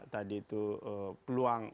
tadi itu peluang